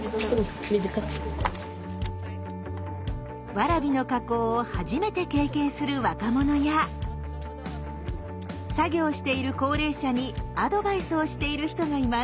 ワラビの加工を初めて経験する若者や作業している高齢者にアドバイスをしている人がいます。